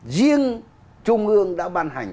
riêng trung ương đã ban hành